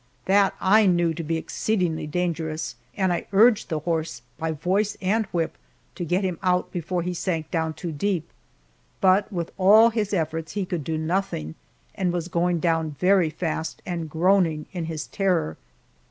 That I knew to be exceedingly dangerous, and I urged the horse by voice and whip to get him out before he sank down too deep, but with all his efforts he could do nothing, and was going down very fast and groaning in his terror.